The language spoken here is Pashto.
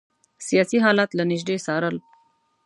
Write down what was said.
سیاسي حالات له نیژدې څارل.